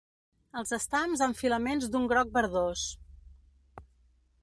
Els estams amb filaments d'un groc verdós.